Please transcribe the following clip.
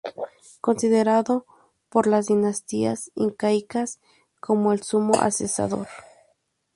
Considerado por las dinastías incaicas como el Sumo Hacedor.